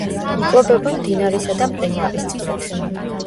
იკვებება მდინარისა და მყინვარის წყლით.